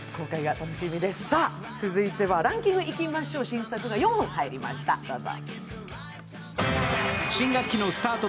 続いてはランキングいきましょう、新作が４本入りました、どうぞ。